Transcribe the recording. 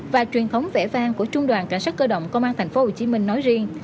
và truyền thống vẽ vang của trung đoàn cảnh sát cơ động công an tp hcm nói riêng